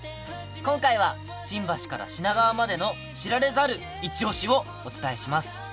今回は新橋から品川までの知られざるいちオシをお伝えします。